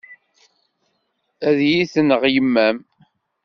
Ad yi-tenɣ yemma-m.